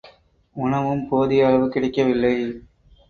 உணவும் போதிய அளவு கிடைக்கவில்லை.